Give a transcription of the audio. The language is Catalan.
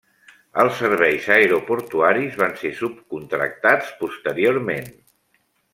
Els serveis aeroportuaris van ser subcontractats posteriorment.